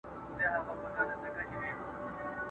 کله سوړ نسیم چلیږي کله ټاکنده غرمه سي!.